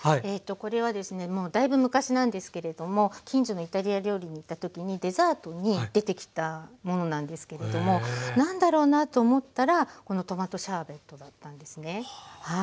これはですねもうだいぶ昔なんですけれども近所のイタリア料理に行った時にデザートに出てきたものなんですけれども何だろうなと思ったらこのトマトシャーベットだったんですね。